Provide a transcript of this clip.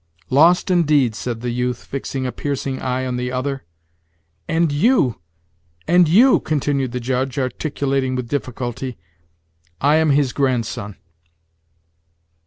"Lost indeed," said the youth, fixing a piercing eye on the other. "And you! and you!" continued the Judge, articulating with difficulty. "I am his grandson."